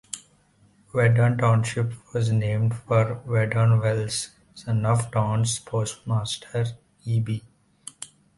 Verdon Township was named for Verdon Wells, son of the town's postmaster, E. B.